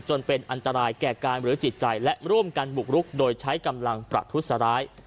จนเป็นอันตรายแก่กายหรือจิตใจและร่วมกันบุกรุกโดยใช้กำลังประทุษร้าย